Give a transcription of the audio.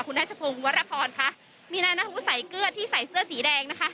นัชพงศ์วรพรค่ะมีนายนัทวุฒิสายเกลือที่ใส่เสื้อสีแดงนะคะ